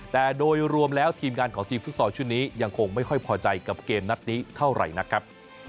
แต่โดยรวมแล้วทีมงานของทีมฟุตซอลชุดนี้ยังคงไม่ค่อยพอใจกับเกมนัดนี้เท่าไหร่นะครับ